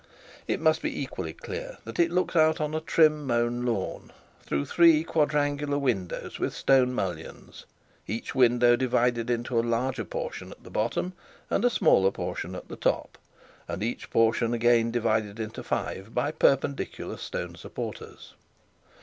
It must be equally clear that it looks out on a trim mown lawn, through three quadrangular windows with stone mullions, each window divided into a larger portion at the bottom, and a smaller portion at the top, and each portion again divided into five by perpendicular stone supporters.